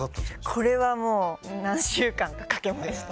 これはもう何週間かかけました。